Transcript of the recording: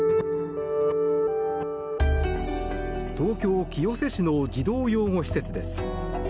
東京・清瀬市の児童養護施設です。